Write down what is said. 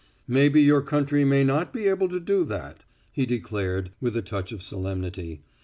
"Maybe your country may not be able to do that," he declared, with a touch of solemnity.